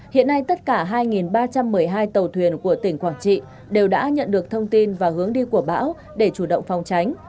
hiện nay tất cả hai ba trăm một mươi hai tàu thuyền của tỉnh quảng trị đều đã nhận được thông tin và hướng đi của bão để chủ động phòng tránh